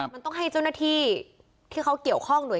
มันต้องให้เจ้าหน้าที่ที่เขาเกี่ยวข้องหน่วย